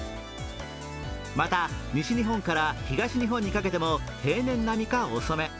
また西日本から東日本にかけても平年並みか遅め。